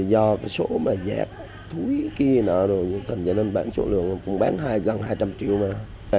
vì do cái số mà dẹp thúi kia nọ rồi thành ra nên bán số lượng cũng bán gần hai trăm linh triệu mà